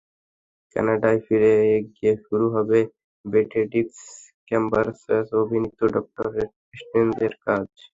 কানাডায় ফিরে গিয়ে শুরু হবে বেনেডিক্ট কাম্বারব্যাচ অভিনীত ডক্টর স্ট্রেঞ্জ-এর কাজ।